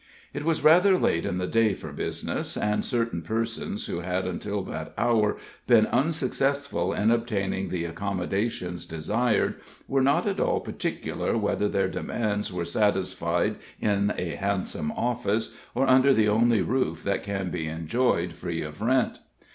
It was rather late in the day for business, and certain persons who had until that hour been unsuccessful in obtaining the accommodations desired were not at all particular whether their demands were satisfied in a handsome office, or under the only roof that can be enjoyed free of rent.